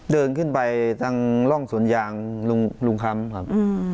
เดินขึ้นไปทางร่องสวนยางลุงคำครับ